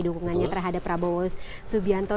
dukungannya terhadap prabowo subianto